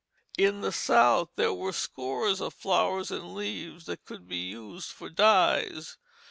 In the South there were scores of flowers and leaves that could be used for dyes.